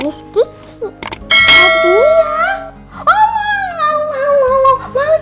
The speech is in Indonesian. miss kiki aku punya hadiah buat miss kiki